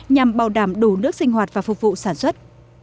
nhằm bảo đảm đủ nước sinh hoạt và phục vụ sản xuất